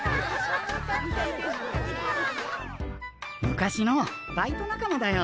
昔のバイト仲間だよ。